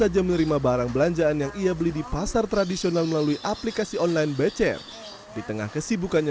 jadi yaudah saya tidak ada badan repot kalau pagi apalagi hujan kayak gini